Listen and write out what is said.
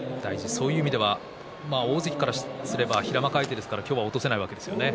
そういう意味では大関からしたら平幕相手ですから今日は落とせないわけですよね。